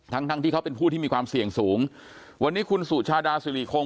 ทั้งทั้งที่เขาเป็นผู้ที่มีความเสี่ยงสูงวันนี้คุณสุชาดาสิริคง